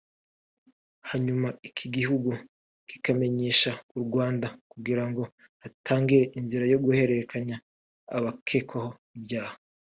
hanyuma iki gihugu kikamenyesha u Rwanda kugira ngo hatangire inzira yo guhererekanya abakekwaho ibyaha